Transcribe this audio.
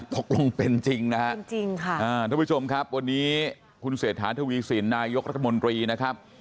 ตกลงเป็นจริงนะฮะทุกผู้ชมครับวันนี้คุณเศรษฐาทวีสินนายกรัฐมนตรีนะครับ